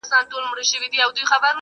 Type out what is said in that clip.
اوس د رقیبانو پېغورونو ته به څه وایو!